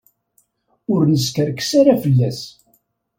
Ur neskerkes ara fell-as.